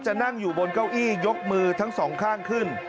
นั่งอยู่บนเก้าอี้ยกมือทั้งสองข้างขึ้น